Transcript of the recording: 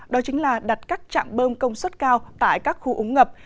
đó chính là đặt các trạm bơm công suất cao tại các khu ống ngập